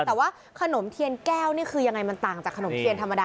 แต่ว่าขนมเทียนแก้วนี่คือยังไงมันต่างจากขนมเทียนธรรมดา